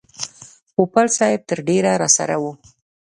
پوپل صاحب تر ډېره راسره و.